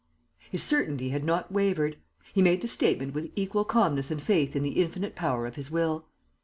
His certainty had not wavered. He made the statement with equal calmness and faith in the infinite power of his will.